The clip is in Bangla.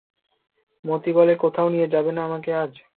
মতি বলে, কোথাও নিয়ে যাবে না আমাকে আজ?